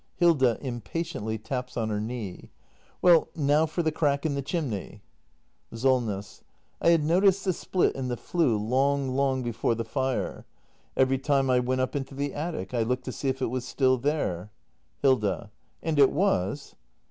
Hilda. [Impatiently, taps on her knee.] Well, now for the crack in the chimney! Solness. I had noticed the split in the flue long, long before the fire. Every time I went up into the attic, I looked to see if it was still there. Hilda. And it was?